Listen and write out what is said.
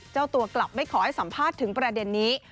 เจ้าตัวกลับไม่ขอให้สัมภาษณ์ถึงประเด็นนี้